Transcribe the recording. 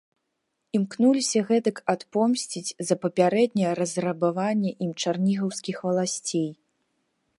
Імкнуліся гэтак адпомсціць за папярэдняе разрабаванне ім чарнігаўскіх валасцей.